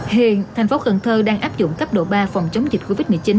hiện thành phố cần thơ đang áp dụng cấp độ ba phòng chống dịch covid một mươi chín